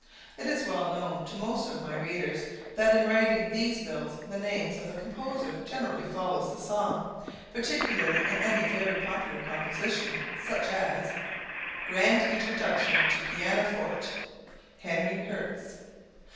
It is well known to most of my readers, that in writing these bills the name of the composer generally follows the song, particularly in any very popular compositions, such as Grand Introduction to Pianoforte .............. HENRY HERTZ.